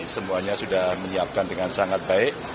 semuanya sudah menyiapkan dengan sangat baik